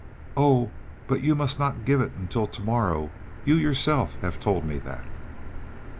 "Oh, but you must not give it until to morrow; you yourself have told me that."